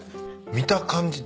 見た感じ